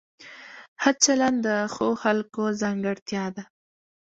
ښه چلند د ښو خلکو ځانګړتیا ده.